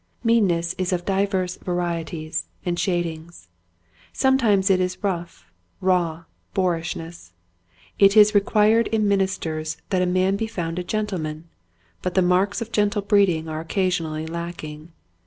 Meanness is of divers varieties and shadings. Sometimes it is rough, raw boorishness. It is required in ministers that a man be found a gentleman, but the marks of gentle breeding are occasionally lacking.